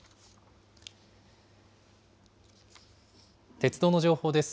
鉄道の情報です。